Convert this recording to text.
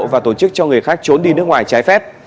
và tổ chức cho người khác trốn đi nước ngoài trái phép